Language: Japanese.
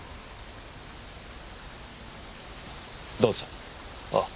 どうぞ。